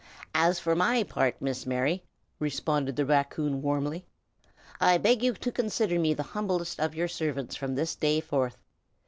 "And for my part, Miss Mary," responded the raccoon warmly, "I beg you to consider me the humblest of your servants from this day forth.